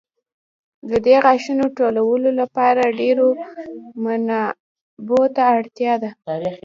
د دې غاښونو ټولولو لپاره ډېرو منابعو ته اړتیا ده.